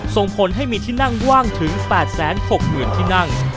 ส่งผลให้มีที่นั่งว่างถึง๘๖๐๐๐ที่นั่ง